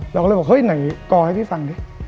เราก็เลยบอกเฮ้ยไหนกอให้พี่ฟังดิ